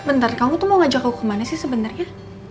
bentar kamu tuh mau ngajak gua kemana sih sebenernya